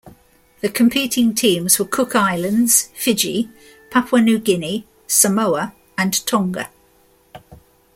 The competing teams were Cook Islands, Fiji, Papua New Guinea, Samoa and Tonga.